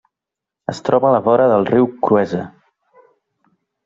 Es troba a la vora del riu Cruesa.